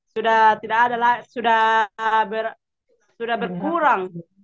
sudah tidak ada lah sudah berkurang